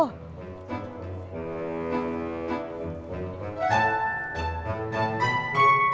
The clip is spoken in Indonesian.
lalu tinggi besi